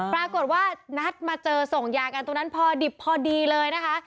ปรากฏว่านัดมาเจอส่งยากันตรงนั้นพอดิบพอดีเลยนะคะ